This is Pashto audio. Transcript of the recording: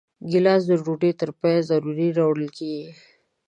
ګیلاس د ډوډۍ تر پایه ضرور راوړل کېږي.